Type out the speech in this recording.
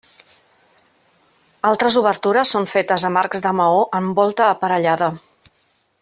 Altres obertures són fetes amb arcs de maó amb volta aparellada.